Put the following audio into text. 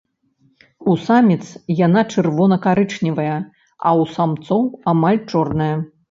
У саміц яна чырвона-карычневая, а ў самцоў амаль чорная.